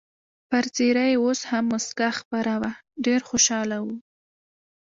پر څېره یې اوس هم مسکا خپره وه، ډېر خوشحاله و.